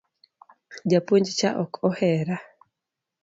Japuonj cha ok ohera